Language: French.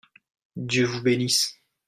Dieu vous bénisse !